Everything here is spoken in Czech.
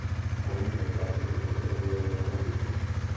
Položil základy ekonomie blahobytu.